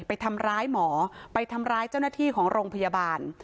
ไปทำร้ายหมอไปทำร้ายเจ้าหน้าที่ของโรงพยาบาล